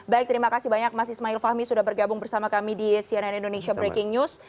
baik terima kasih banyak mas ismail fahmi sudah bergabung bersama kami di cnn indonesia breaking news